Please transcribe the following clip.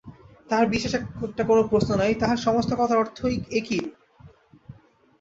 তাঁহার বিশেষ একটা কোনো প্রশ্ন নাই, তাঁহার সমস্ত কথার অর্থই– এ কী?